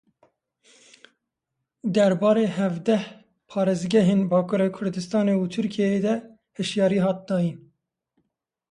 Derbarê hevdeh parêzgehên Bakurê Kurdistanê û Tirkiyeyê de hişyarî hat dayîn.